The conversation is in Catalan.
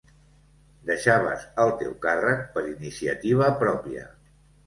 Deixaves el teu càrrec per iniciativa pròpia.